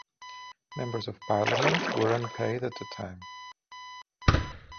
Members of parliament were unpaid at the time.